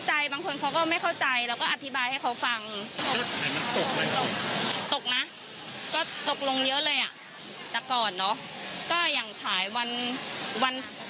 ใช่บางทีเขาก็แบบ